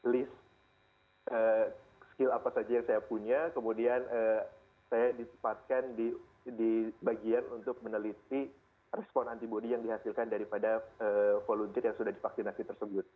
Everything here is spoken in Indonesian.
list skill apa saja yang saya punya kemudian saya ditempatkan di bagian untuk meneliti respon antibody yang dihasilkan daripada volunteer yang sudah divaksinasi tersebut